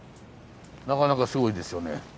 なかなかすごいですよね。